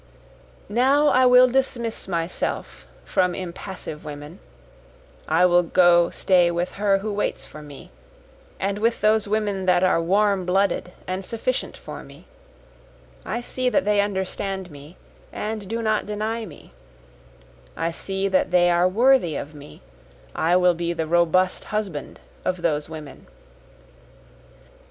Now I will dismiss myself from impassive women, I will go stay with her who waits for me, and with those women that are warm blooded and sufficient for me, I see that they understand me and do not deny me, I see that they are worthy of me, I will be the robust husband of those women.